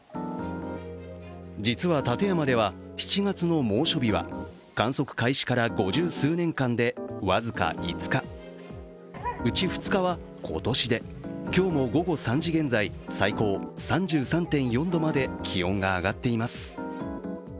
実は館山では７月の猛暑日は観測開始から五十数年間で僅か５日うち２日は今年で、今日も午後３時現在最高３３．４度まで気温が上がっています。